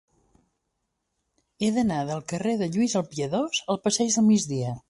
He d'anar del carrer de Lluís el Piadós al passeig del Migdia.